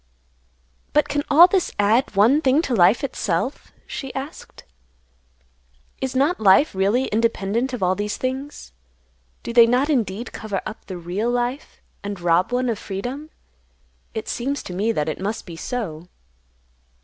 "But can all this add one thing to life itself?" she asked. "Is not life really independent of all these things? Do they not indeed cover up the real life, and rob one of freedom? It seems to me that it must be so."